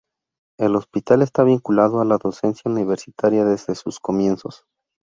El hospital está vinculado a la docencia universitaria desde sus comienzos.